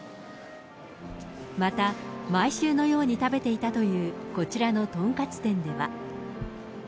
また、毎週のように食べていたというこちらの豚カツ店では。